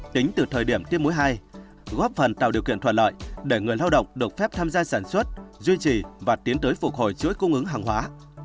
tính từ thời điểm tiêm muối hai góp phần tạo điều kiện thuận lợi để người lao động được phép tham gia sản xuất duy trì và tiến tới phục hồi chuỗi cung ứng hàng hóa